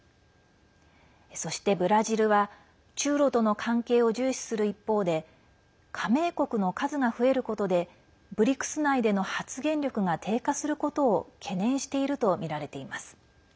そしてブラジルは中ロとの関係を重視する一方で加盟国の数が増えることでＢＲＩＣＳ内での発言力が低下することを懸念しているとみられています。